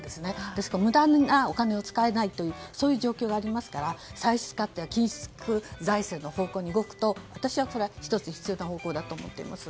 ですから無駄なお金を使えないという状況はありますから緊縮財政の方向に動くことも私は１つ必要な方向だと思っています。